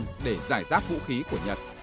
nhật tuyên bố đã giải giáp vũ khí của nhật